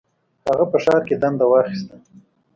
هغه په ښار کې دنده واخیسته.